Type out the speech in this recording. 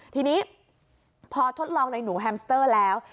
ทีนี้พอทดลองในหนูแฮมสเตอร์แล้ว